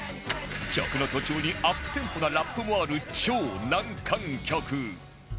曲の途中にアップテンポなラップもある超難関曲